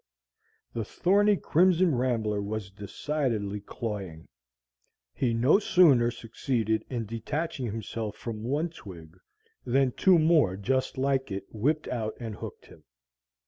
The thorny crimson rambler was decidedly cloying. He no sooner succeeded in detaching himself from one twig, than two more just like it whipped out and hooked him.